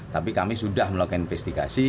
tapi kami sudah melakukan investigasi